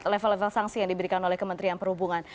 level level sanksi yang diberikan oleh kementerian perhubungan